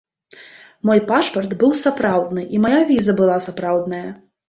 Мой пашпарт быў сапраўдны, і мая віза была сапраўдная.